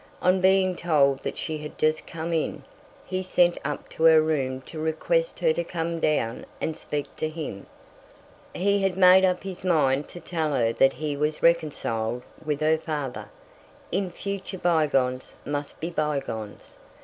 On being told that she had just come in, he sent up to her room to request her to come down and speak to him. He had made up his mind to tell her that he was reconciled with her father. In future bygones must be bygones.